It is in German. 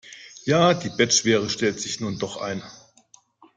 Ja, die Bettschwere stellt sich nun doch ein.